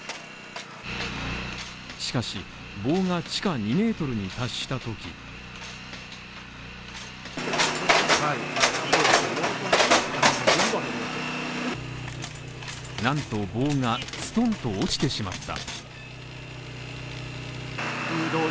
しかし棒が地下２ｍに達したときなんと棒がストンと落ちてしまった。